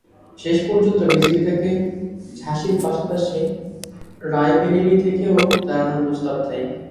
শেষ পর্যন্ত বিজেপি তাঁকে ঝাঁসির পাশাপাশি রায়বেরিলি থেকেও দাঁড়ানোরও প্রস্তাব দেয়।